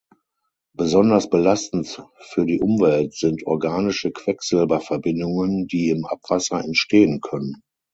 Besonders belastend für die Umwelt sind organische Quecksilberverbindungen, die im Abwasser entstehen können.